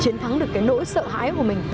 chiến thắng được cái nỗi sợ hãi của mình